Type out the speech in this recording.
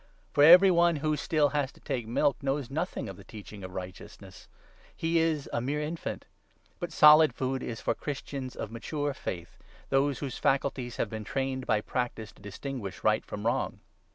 For every one who still has to take 'milk' 13 knows nothing of the Teaching of Righteousness ; he is a mere infant. But ' solid food ' is for Christians of mature 14 faith — those whose faculties have been trained by practice to distinguish right from wrong.